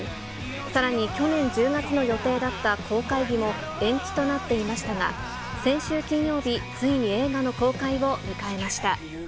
さらに、去年１０月の予定だった公開日も延期となっていましたが、先週金曜日、ついに映画の公開を迎えました。